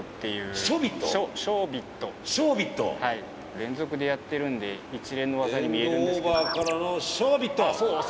連続でやってるんで一連の技に見えるんですけど。